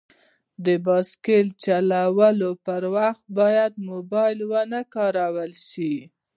د بایسکل چلولو په وخت باید موبایل ونه کارول شي.